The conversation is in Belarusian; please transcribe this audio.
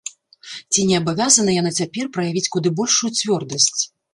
Ці не абавязана яна цяпер праявіць куды большую цвёрдасць?